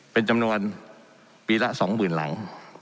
เป็นจำนวนปีละสองหมื่นหลัง